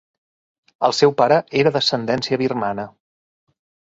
El seu pare era d'ascendència birmana.